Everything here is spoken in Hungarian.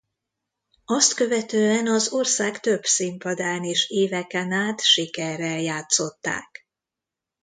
Azt követően az ország több színpadán is éveken át sikerrel játszották.